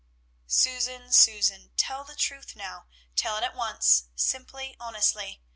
_] Susan! Susan! Tell the truth now; tell it at once, simply, honestly.